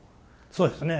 そうですね。